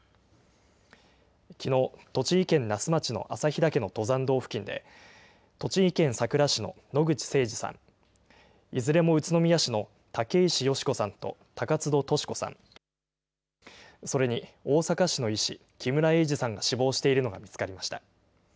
きのう、栃木県那須町の朝日岳の登山道付近で、栃木県さくら市の野口誠二さん、いずれも宇都宮市の竹石佳子さんと高津戸トシ子さん、それに大阪市の医師、木村英二さんが死亡しているのが見つかりました。